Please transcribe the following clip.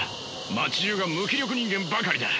街じゅうが無気力人間ばかりだ。